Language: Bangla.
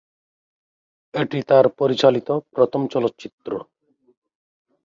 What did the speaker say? এটি তার পরিচালিত প্রথম চলচ্চিত্র।